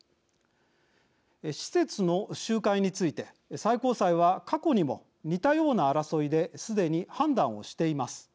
施設の集会について最高裁は過去にも似たような争いですでに判断をしています。